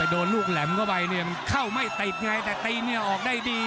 โดนลูกแหลมเข้าไปเข้าไม่ติดแต่ตีนี้ออกได้ดี